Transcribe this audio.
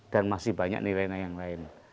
dan masih banyak nilainya yang lain